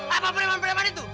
apa perempuan perempuan itu